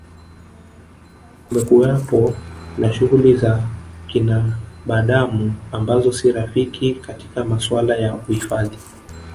Kumekuwapo na shughuli za kinabadamu ambazo si rafiki katika masuala ya uhifadhi